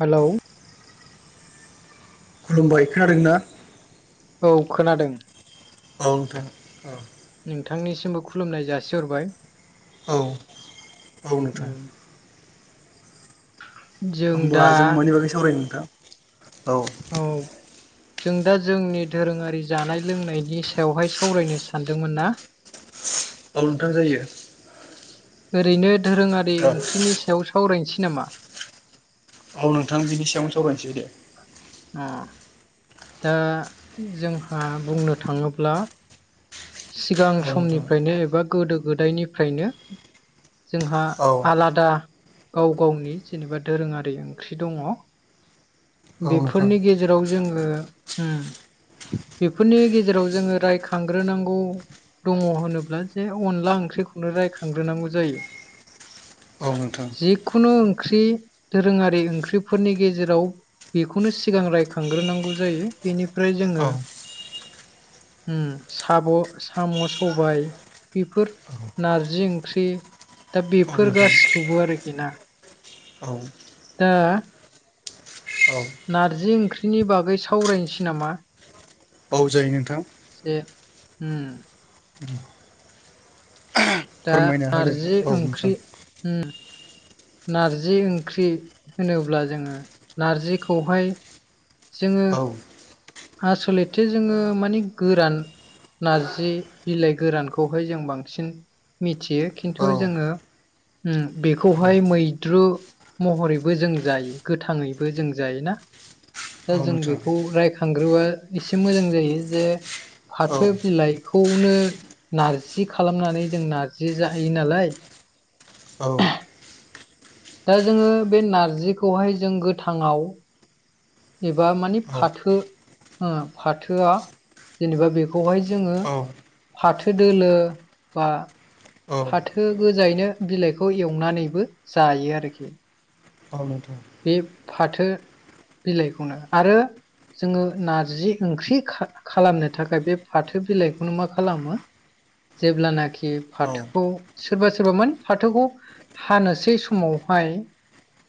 Hello. खुलुमबाय बे खोनादोंना। औ खोनादों। औथां औ। नोंथांनिसिमबो खुलुमनाय जासिहरबाय। औ औ नोंथां। उम जों होमबा दा जों मानि बागै सावराय नोंथां। औ। जों दा जोंनि दोरोङारि जानाय लोंनायनि सायावहाय सावरायनो सानदोंमोन ना? [unintelligible] बवंथाम जायो। ओरैनो दधोरोङारि औ ओंख्रिनि सायाव सावरायनोसै नामा? औ नोंथां बिनि सायावनो सावरायनोसै दे। अ दा जोंहा बुंनो थाङोब्ला सिगां औ नोंथां समनिफ्रायनो एबा गोदो गोदायनिफ्रायनो जोंहा औ आलादा गाव गावनि जेनेबा दोरोङारि ओंख्रि दङ। औ नोंथां बेफोरनि गेजेराव जोङो बेफोरनि गेजेराव जोङो रायखांग्रोनांगौ दङ होनोब्ला जे अनला ओंख्रि खौनो रायखांग्रोनांगौ जायो। औ नोंथां जिखुनु ओंख्रि दोरोङारि ओंख्रिफोरनि गेजेराव बेखौनो सिगां रायखांग्रोनांगौ जायो बेनिफ्राय जोङो औ साब' साम' सबाय बेफोर नारजि ओंख्रि दा औ बेफोर नोंथां गासिखौबो आरोखि ना। आ दा नारजि ओंख्रिनि बागै सावरायनोसै नामा बाव जायो नोंथां ह दा फोरमायना होदो नारजि औ नोंथां ओंख्रि नारजि ओंख्रि होनोब्ला जोङो नारजिखौहाय जोङो औ आसलथे जोङो माने गोरान नारजि बिलाइ गोरानखौहाय जों बांसिन मिथियो औ खिन्थु जोङो औ बेखौहाय मैद्रु महरैबो जों जायो गोथाङैबो जों जायोना दा औ जों नोंथां बेखौ रायख थांग्रोबआ एसे मोजां जायो जे औ फाथो बिलाइखौनो नारजि खालामनानै जों नार्जि जाहायो नालाय [unintelligible] औ। दा जोङो बे नारजिखौहाय जों गोथाङाव एबा माने औ फाथो ओं फाथोआ जेनेबा बेखौहाय जोङो औ नोंथां औ फाथो दोलो बा फाथो गोजायैनो बिलाइखौ एवनानैबो जायो आरोखि। औ बे फाथो बिलाइखौनो आरो जोङो नारजि ओंख्रि खा-खालामनो थाखाय बे फाथो बिलाइखौनो मा खालामो जेब्लानाखि औ फाथोखौ सोरबा सोरबा माने फाथोखौ हानोसै समावहाय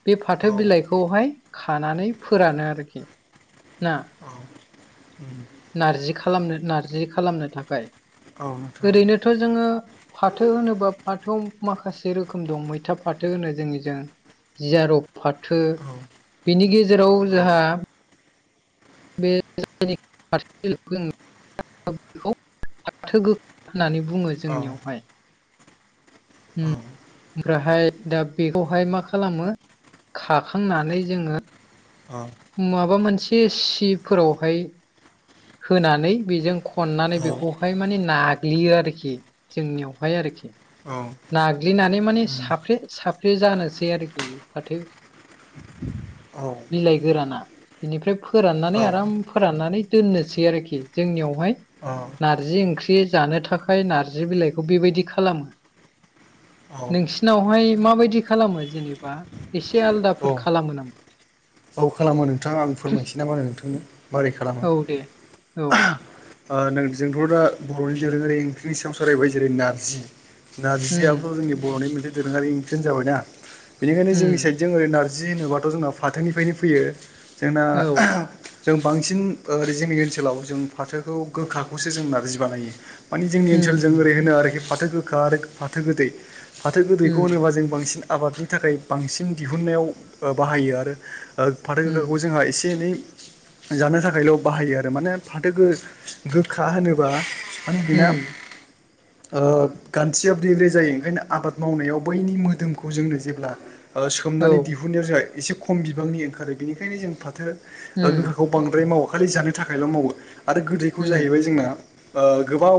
बे फाथो बिलाइखौहाय खानानै फोरानो आरोखि ना। नारजि खालामनो नारजि खालामनो थाखाय। नोंथां ओरैनोथ' जोङो फाथो होनोबा फाथोआव माखासे रोखोम दं मैथा फाथो होनो जोंनि जों जियारब फाथो बिनि गेजेराव औ जोंहा [unintelligible] बेारसेग बेखौ फाथो गोखा होननानै बुङो औ जोंनियावहाय। उम औ। ओमफ्रायहाय दा बेखौहाय मा खालामो खाखांनानै जोङो औ माबा मोनसे सिफोरावहाय होनानै बेजों खननानै औ बेखौहाय माने नाग्लियो आरोखि जोंनियावहाय आरोखि। औ। नाग्लिनानै माने साफ्रे साफ्रे जानोसै आरोखि बे फाथो बिलाइ गोराना बेनिफ्राय औ फोराननानै आराम फोराननानै दोननोसै आरोखि जोंनियावहाय नार्जि ओंख्रि जानो थाखाय नार्जि बिलाइखौ बेबायदि खालामो। नोंसिनावहाय माबायदि खालामो जेनेबा एसे आलदाफोर औ खालामो नामा? औ खालामो नोंथां आं फोरमायसै नामा नोंथांनो मारै खालामो? औ दे औ आ ओं जोंथ' दा बर'नि दोरोङारि ओंख्रिनि सायाव सावरायबाय जेरै नारजि, उम नारजिआबोथ' जोंनि बर'नि मोनसे दोरोङारि ओंख्रि जाबायना बेनिखायनो उम जोंनि साइडजों ओरै नारजि नारजि होनोबाथ' जोंना फाथोनिफ्रायनो फैयो जोंना औ जों बांसिन ओरै जोंनि ओनसोलाव जों फाथोखौ गोखाखौसो जों नारजि बानायो। माने जोंनि ओनसोलजों उम ओरै होनो आरोखि फाथो गोखा आरो फाथो गोदै। फाथो गोदैखौ उम होनोबा जों बांसिन आबादनि थाखाय बांसिन दिहुननायाव बाहायो आरो। फाथो उम गोखाखौ जोंहा एसे एनै जानो थाखायल' बाहायो आरो माने फाथो गो-गोख्खा होनोबा माने बिना उम ओ गान्थिया ब्रे ब्रे जायो ओंखायनो आबाद मावनायाव बैनि मोदोमखौ जोंनो जेब्ला ओ उम औ सोमनानै दिहुनायाव जोंहा एसे खम बिबांनि ओंखारो बेनिखायनो जों फाथो उम गोखाखौ बांद्राय मावो खालि जानो थाखायल' मावो आरो गोदैखौ उम जाहैबाय जोंना ओ गोबाव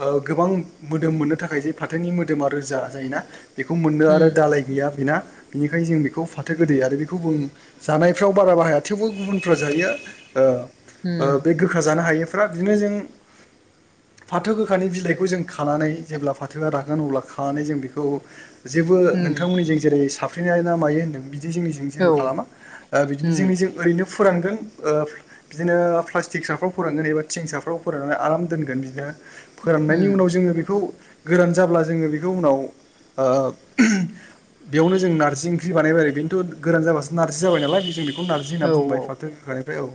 ओ गोबां मोदोम मोननो थाखाय जे फाथोनि मोदोमा रोजा जायोना। बेखौ मोननो उम आरो दालाय गैया बेना बेनिखायनो जों बेखौ फाथो गोदै आरो बे गुबुन जानायफ्राव बारा बाहाया थेवबो गुबुनफ्रा जायो आरो ओ ओ उम बे गोखा जानो हायिफ्रा बिदिनो जों फाथो गोखानि बिलाइखौ जों खानानै जेब्ला फाथोया रागोन अब्ला खानानै जों बेखौ जेबो उम नोंथांमोननि जों जेरै साफ्रेनाय ना मायो होन्दों बिदि जों जेबो औ खालामा ओ बिदिनो उम जोंनि जों ओरैनो फोरानगोन ओ बिदिनो प्लास्टिक साफ्राव फोरानगोन एबा थिं साफ्राव फोराननानै आराम दोनगोन बिदिनो फोराननायनि उम उनाव जोङो बेखौ गोरान जाब्ला जोङो बेखौ उनाव ओ ओह बेयावनो जों नारजि ओंख्रि बानायबाय आरो बेनोथ' गोरान जाबासो नारजि जाबाय नालाय जों बेखौ नारजि होनना औ बुंबाय फाथो गोखानिफ्राय औ।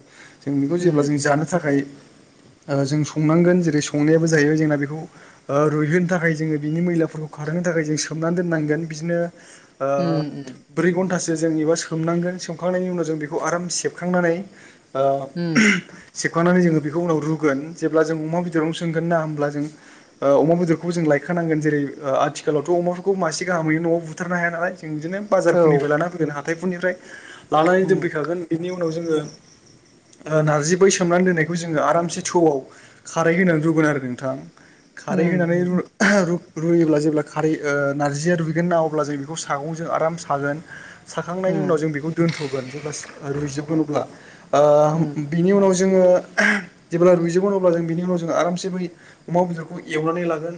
जों बेखौ उम जेब्ला जों जानो थाखाय [inaudible] ओ जों संनांगोन जेरै संनायाबो जायो जोंना बेखौ ओ रुइहोनो थाखाय जोङो बिनि मैलाफोरखौ खारे बिनि थाखै जों सोमनानै दोननांगोन बिदिनो ओ उम उम ब्रै घन्टासो जों एबा सोमनांगोन सोमखांनायनि उनाव जों बेखौ आराम सेबखांनानै ओ उम ओहम सुखांनानै जोङो बेखौ उनाव रुगोन जेब्ला जों अमा बेदराव सोंगोनना होमल्बा जों ओ अमा बेदरखौबो लाइखा नांगोन जेरै ओ आथिखालावथ' अमाफोरखौ मासे गाहामै न'आव बुथारनो हाया नालाय बिदिनो औ बाजारनिफ्राय लाना फैगोन हाथाइफोरनिफ्राय लानानै उम दोनफैखागोन बेनि उनाव जोङो ओ नारजि बै सोमनानै दोननायखौ जोङो आरामसे थौआव खारै होना रुगोन आरो नोंथां। खारै उम होनानै उम रु योब्ला जेब्ला खारै ओ नार्जिया रुइगोन ना अब्ला जों बेखौ सागंजों आराम सागोन साखांनायनि उनाव उम जों बेखौ दोनथ'गोन जेब्ला रुइजोबगोन अब्ला उम बिनि उनाव जोङो जेब्ला रुइजोबगोन अब्ला जों बिनि उनाव जो आरामसे बै अमा बेदरखौ एवनानै लागोन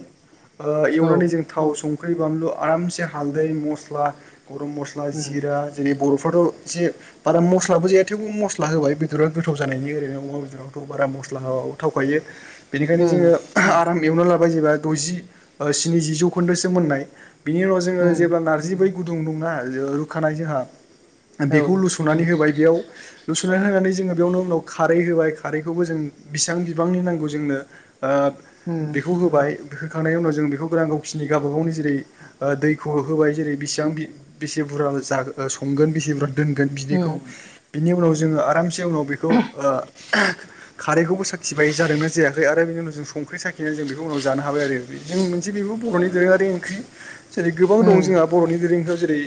ओ औ एवनानै जों थाव संख्रि बानलु आरामसे हालदै मस्ला गरम मस्ला उम जिरा जेरै बर' खौथ जे आराम मस्लाबो जाया थेवबो मस्ला होबाय बेदरा गोथाव जानायनि ओरैनो अमा बेदरावथ' बा मस्ला मस्ला होआबाबो थावखायो बेनिखायनो जोङो उम आराम एवना लाबाय जेबा द'जि स्निजि जौखोन्दोसिम मोननाय बिनि उनाव जोङो उम जेब्ला नारजि बै गुदुं दंना रुखानाय जोंहा औ बेखौ लुस'नानै होबाय बेयाव लुसननानै होनानै जोङो बेयावनो उनाव खारै होबाय खारैखौबो जों बिसां बिबांनि नांगौ जोंनो ओ उम बेखौ होबाय होखांनायनि उनाव जों बेखौ गोरान गावखिनि गावबा गावनि जेरै दैखौ होबाय जेरै बेसिबां बेसे बुरजा जा संगोन बेसे बुरजा दोनगोन बिदैखौ उम बिनि उनाव जोङो आरामसे उनाव बेखौ [inaudible] खारैखौबो साखिबाय जादोंना जायाखै आरो बिनि उनाव जों संख्रि साखिनानै जों बेखौ उनाव जानो हाबाय आरो जों मोनसे बर'नि दोरोङारि ओंख्रि जेरै गोबां दं उम जोंहा बर'नि दोरोंङारिफ्राव जेरै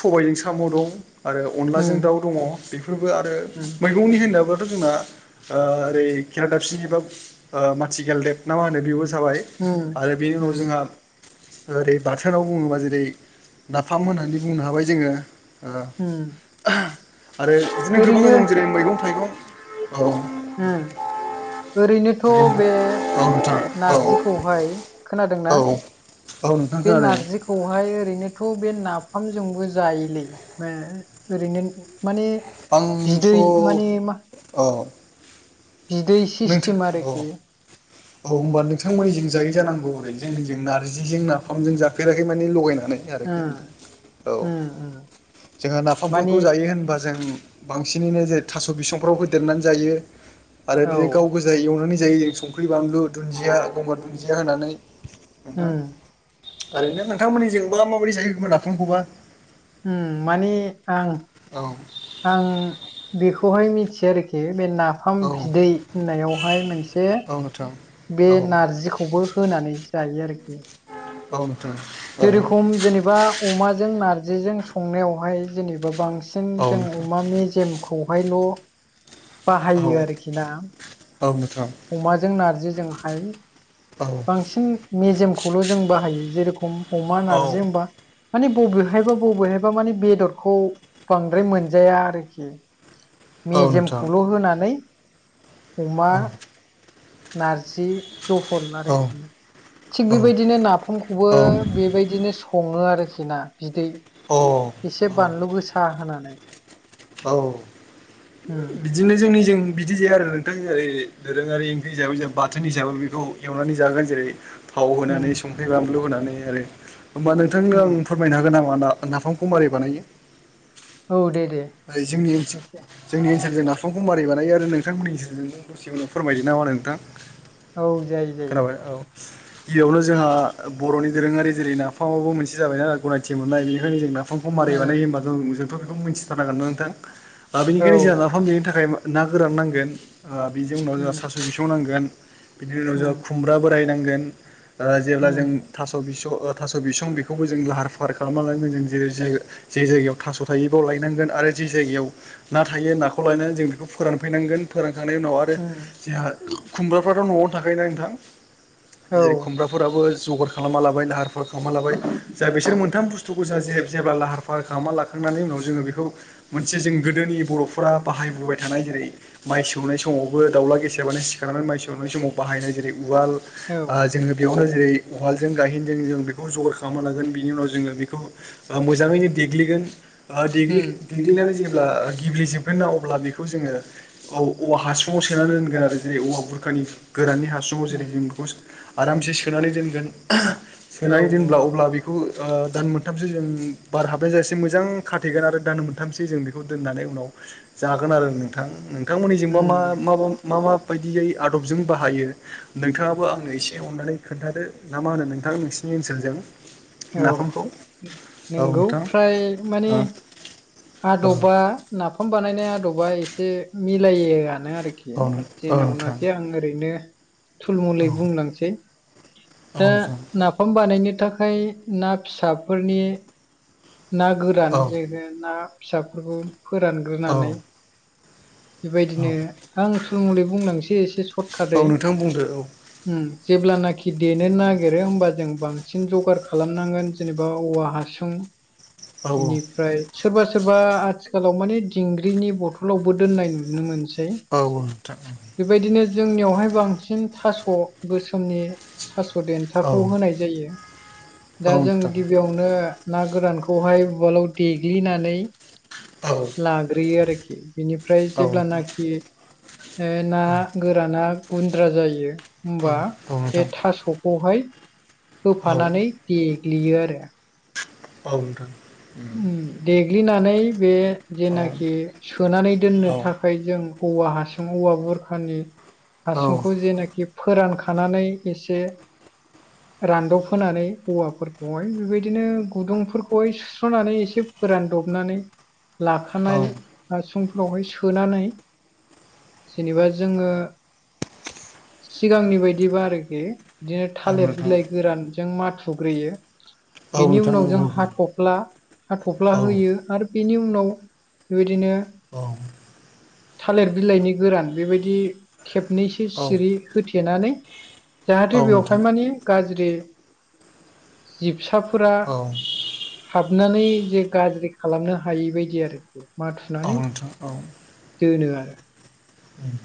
सबाइजों साम' दं आरो अनलाजों उम दाउ दङ बेफोरबो आरो उम मैगंनि होननायाबो जोंना आ ओरै खेरा लाइसिनि एबा मासि गालदेब ना मा होनो जाबाय उम आरो बेनि उनाव उम जोंहा ओरै बाथोनाव बुङोबा जेरै नाफाम होननानै बुंनो हाबाय जोङो ओ उम आरो बिदिनो गोबां ओरैनो रोखोमनि जेरै मैगं थाइगं औ उम औ ओरैनोथ' बे नोंथां औ नारजिखौहाय खोनादों औ ना नोंथां बे खोनादों नारजिखौहाय ओरैनोथ' बे ना फाम जोंबो जायोलै ओरैनो माने आंथ' बिदै माने मा औ बिदै नोंथां सिस्टेम औ आरोखि औ होनोबा नोंथांमोननि जों जायो जानांगौमोन जोंनिजों नारजिजों नाफामजों जाफेराखै मानि लगायनाय [unintelligible] उम नोंथांऔ उम उम जोंङो नाफामफोरखौ माने जायो होनबा जों बांसिनै नोजोर थास बिसंफ्राव होदेरनानै जायो आरो औ बिदिनो गाव गोजा एवनानै जायो जों संख्रि बानलु दुनजिया गंगार दुनजिया होनानै नोंथां उम ओरैनो नोंथांमोननि जोंबा माबायदि जायो एबा नाफामखौबा उम माने आं औ आं बेखौहाय मिथिया आरोखि बे नाफाम औ बिदै होननायावहाय मोनसे औ नोंथां बे औ नारजिखौबो होनानै जायो आरोखि। औ नोंथां औ जेरोखम जेनेबा अमाजों नारजिजों संनायावहाय जेनेबा बांसिन बांसिन औ जों नोंथां अमा मेजेमखौहायल' औ बाहायो आरोखि ना। औ नोंथां अमाजों नारजिजों हाय औ बांसिन मेजेमखौल' जों बाहायो जेरेखम अमा औ नारजि होमबा माने बबेहायबा बबेहायबा मानि बेदरखौ बांद्राय मोनजाया आरोखि। औ नोंथां मेजेमखौल' होनानै अमा औ औ नारजि जह'ल औ आरोखि थिग बेबायदिनो नाफामखौबो औ बेबायदिनो सङो आरो। खिना बिदै औ एसे बानलु औ गोसा होनानै। औ, उम बिदिनो जोंनि जों, बिदि जाया आरो नोंथां ओरै दोरोङारि ओंख्रि हिसाबै जों बाथोन हिसाबै बेखौ एवनानै जागोन जेरै, थाव उम होनानै संख्रि बानलु होनानै आरो होमबा नोंथांनो उम आं फोरमायनो हागोन नामा ना नाफामखौ माबोरै बानायो? औ दे, दे जोंनि एसे ओनसोल जों नाफामखौ मारि बानायो आरो नोंथांमोननि गेजेरजों दसे उनाव फोरमायदो नामा सोनो नोंथां। औ जायो जायो। खोनाबाय औ गिबियावनो जोंहा बर'नि दोरोङारि जेरै नाफामाबो मोनसे जाबायना गनायथि मोननाय बेनिखायनो जोंना नाफामखौ मारि बानाय ओ होनोमबा जोंथ' बेखौ मिथिथारनांगोन ना नोंथां। दा औ बेनिखायनो जोंहा नाफाम बानायनो थाखाय ना गोरान नांगोन ओ बिनि उनाव जोंहा उम सास' बिसं नांगोन। बिनि उनाव जोंहा उम खुमब्रा बोरायनांगोन ओ जेब्ला जों उम थास' बिसं थास' बिसं बेखौबो जों लाहार फाहार खालाम लानांगोन जों जे जायगायाव थास' थायोबाव नांगोन आरो जि जायगायाव ना थायो नाखौ लायनानै जों बेखौ फोरानफैनांगोन फोर थांखांनायनि उनाव आरो उम जोंहा खुमब्राफ्राथ' न'आवनो थाखायायोना नोंथां औ जेरै खुमब्राफोराबो जगार खालामना लाबाय लाहार फाहार खालामना लाबाय जा बिसोर मोनथाम बुस्थु दथ' ग गोजा जे जेब्ला लाहार फाहार खालामना लाखांनानै उनाव जोङो बेखौ, मोनसे जों गोदोनि बर'फोरा बाहायबोबाय थानाय जेरै, माइ सौनाय समावबो दाउला गेसाबानो सिखारानानै माइ सौनाय समाव बाहायनाय जेरै, उवाल, ओ औ जोङो बेयावनो जेरै उवालजों गायहेनजों जों बेखौ जगार खालामना लागोन बिनि उनाव जोङो बेखौ मोजाङैनो देग्लिगोन ओ देग्लि उम जोब्ला गेब्लेजोबगोन ना अब्ला बेखौ जोङो औ ओवाहासुंआव सोनानै दोनगोन आरो जेरै- औआबुरखानि गोराननि हा सुंआव जेरै उम जों बेखौ आरामसे सोनानै दोनगोन औ सोनानै दोनब्ला औ अब्ला बेखौ ओ दान मोनथामसो जों बार हाबनाय जायसेै मोजां खाथेगोन आरो दान मोनथामसोजों बेखौ दोननानै उनाव जागोन आरो नोंथां। बिथांमोन्निजों बा उम मा मा बायदियै आदबजों बाहायो। नोंथाङाबो आङो एसे अननानै खोन्थादो? ना मा होनो नोंथां नोंसिनि जंनि ओनसोलजों, औ नाफामखौ औ नंगौ नोंथां फ्राय माने, ओ औ आदबा नाफाम बानायनाय आदबा एसे मिलायोआनो आरो, आरोखि औ नोंथां जेनावनाखि आं ओरैनो औ थुलमुलै बुंलांसै औ दा नोंथां नाफाम बानायनो थाखाय, ना फिसाफोरनि ना गोरान औ जेरो ना फिसाफोरखौ फोरानग्रोनानै औ बेबायदिनो औ आं थुलुं मुलै बुंलांसै एसे सर्टकाटै औ नोंथां बुंदो औ उम जेब्लानाखि देनो नागिरो होमबा जों बांसिन जगार खालामनांगोन जेनेबा औवा हासुं औ बेनिफ्राय सोरबा सोरबा आथिखालाव माने दिंग्रिनि बथलावबो दोननाय नुनो मोनसै औ नोंथां। बेबायदिनो जोंनियावहाय बांसिन थास' गोसोमनि थास' औ देन्थाखौ होनाय जायो। औ दा जों नोंथां गिबियावनो ना गोरानखौहाय उवालाव देग्लिनानै औ लाग्रोयो आरोखि बेनिफ्राय औ नोंथां जेब्लानाखि ना औ गोराना गुन्द्रा जायो औ होमबा औ बे नोंथां थास'खौहाय औ होफानानै देग्लियो आरो। औ नोंथां देग्लिनानै बे औ जेनाखि सोनानै दोननो थाखाय जों औवा हासुं औवा बुरखानि हासुंखौ जेनाखि फोरानखानानै एसे रानदबहोनानै औवाफोरखौहाय बेबायदिनो गुदुंफोरखौहाय सु'नानै एसे फोरानदबनानै लाखानाय फोरावहाय सोनानै जेनेबा जोङो सिगांनि बायदिबा आरोखि बिदिनो थालिर बिलाइ नोंथां गोरानजों माथुग्रोयो। औ बेनि नोंथां औ उनाव जों हाथफ्ला हाथ'फ्ला होयो आरो बेनि उनाव बे दिनो थालिर बिलाइनि गोरान बेबायदि खेबनैसो सिरि होथेनानै औ जाहाथे बेवहाय माने गाज्रि जिब फिसाफोरा हाबनानै जे गाज्रि खालामनो हायि बादि आरोखि माथुनानै नोंथां दोनो आरो उम